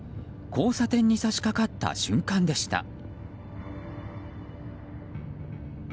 交差点に差し掛かった瞬間でした。